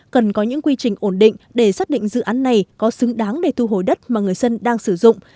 cần có những quy trình ổn định để xác định dự án này có xứng đáng để thu hồi đất mà người dân đang sử dụng